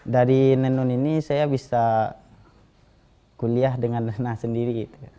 dari menun ini saya bisa kuliah dengan tenah sendiri